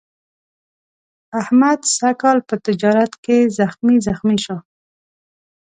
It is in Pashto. احمد سږ کال په تجارت کې زخمي زخمي شو.